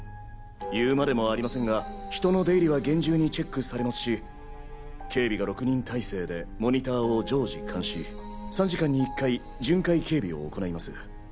言うまでもありませんが人の出入りは厳重にチェックされますし警備が６人態勢でモニターを常時監視３時間に１回巡回警備を行います。